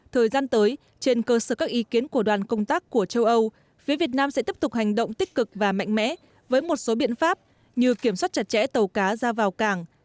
thời gian tới trên cơ sở các ý kiến của đoàn công tác của châu âu phía việt nam sẽ tiếp tục hành động tích cực và mạnh mẽ với một số biện pháp như kiểm soát chặt chẽ tàu cá ra vào cảng